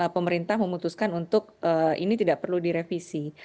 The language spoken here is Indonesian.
pemerintah memutuskan untuk ini tidak perlu direvisi